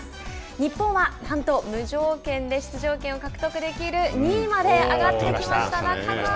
日本はなんと無条件で出場権を獲得できる２位まで上がってきました。